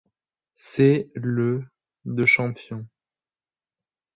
C’est le de champion.